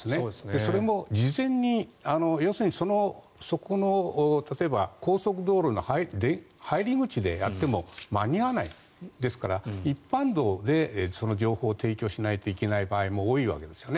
それも事前に要するに、例えば高速道路のは入り口でやっても間に合わないですから一般道でその情報を提供しないといけない場合も多いわけですね。